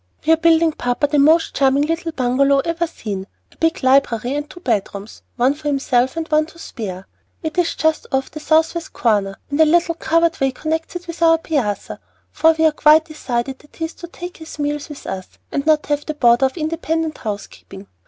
"We are building papa the most charming little bungalow ever seen, a big library and two bedrooms, one for himself and one to spare. It is just off the southwest corner, and a little covered way connects it with our piazza; for we are quite decided that he is to take his meals with us and not have the bother of independent housekeeping.